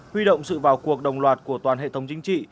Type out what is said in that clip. huy động sự vào cuộc đồng loạt của toàn hệ thống chính trị